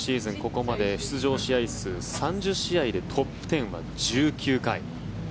ここまで出場試合数３０試合でトップ１０は１９回。